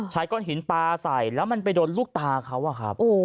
ใช้ก้อนหินปลาใส่แล้วมันไปโดนลูกตาเขา